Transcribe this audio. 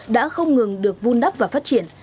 đã không ngừng được vun đắp và phát triển